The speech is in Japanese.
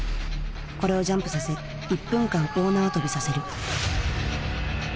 これをジャンプさせ１分間大縄跳びさせる。